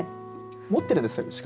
持ってるんですか、資格。